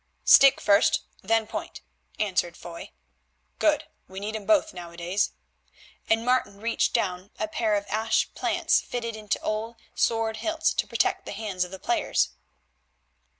"Stick first, then point," answered Foy. "Good. We need 'em both nowadays," and Martin reached down a pair of ash plants fitted into old sword hilts to protect the hands of the players.